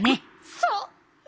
そう！